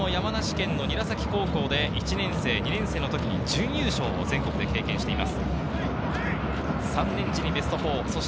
自身も山梨県の韮崎工業高校で１年生・２年生の時に準優勝を全国で経験しています。